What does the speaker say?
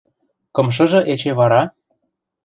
Кымшыжы эче вара?